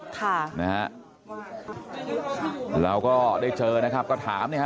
ค่ะนะฮะเราก็ได้เจอนะครับก็ถามเนี่ยฮ